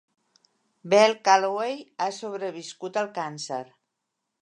Bell Calloway ha sobreviscut al càncer.